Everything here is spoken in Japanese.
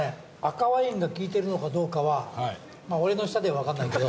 赤ワインが効いてるのかどうかはまぁ俺の舌では分かんないけど。